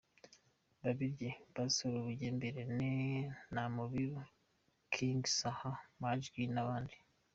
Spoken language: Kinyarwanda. Babirye, Pastor Bugembe, Irene Namubiru, King Saha, Mug G n'abandi.